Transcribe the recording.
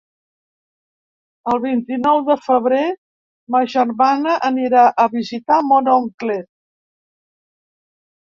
El vint-i-nou de febrer ma germana anirà a visitar mon oncle.